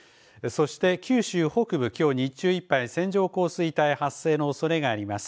そして九州北部、きょう日中いっぱい線状降水帯発生のおそれがあります。